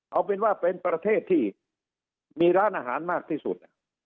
เอาเป็นว่าเป็นประเทศที่มีร้านอาหารมากที่สุด